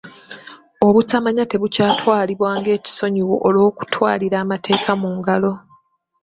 Obutamanya tebukyatwalibwa ng'ekisonyiwo olw'okutwalira amateeka mu ngalo.